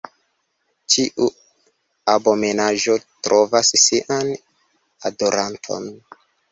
Ĉiu abomenaĵo trovas sian adoranton.